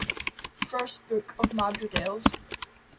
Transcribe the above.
First Book of Madrigals.